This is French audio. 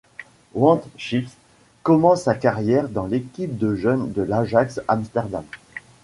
Van 't Schip commence sa carrière dans l'équipe de jeunes de l'Ajax Amsterdam.